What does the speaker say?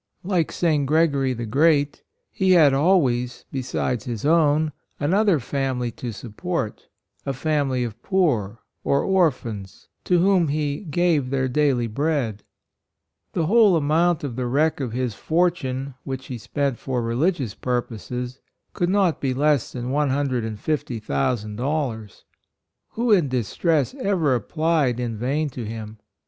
Like St. Gregory the Great, he had always, besides his own, another family to support, a family of poor, or or phans, to whom he " gave their daily bread." The whole amount of the wreck of his fortune which he spent for religious purposes, could not be less than $150,000. Who in distress ever applied in vain to him